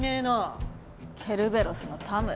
ケルベロスの田村。